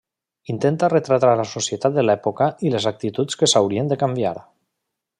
Intenta retratar la societat de l'època i les actituds que s'haurien de canviar.